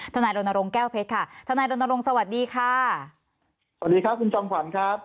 นายรณรงค์แก้วเพชรค่ะทนายรณรงค์สวัสดีค่ะสวัสดีครับคุณจอมขวัญครับ